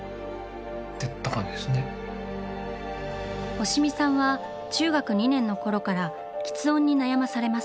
押見さんは中学２年のころからきつ音に悩まされます。